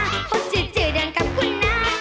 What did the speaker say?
หกจืดจืดเดินกับคุณน้า